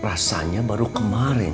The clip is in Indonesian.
rasanya baru kemarin ceng